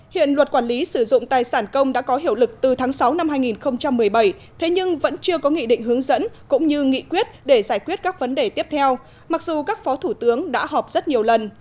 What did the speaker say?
hiện luật quản lý sử dụng tài sản công đã có hiệu lực từ tháng sáu năm hai nghìn một mươi bảy thế nhưng vẫn chưa có nghị định hướng dẫn cũng như nghị quyết để giải quyết các vấn đề tiếp theo mặc dù các phó thủ tướng đã họp rất nhiều lần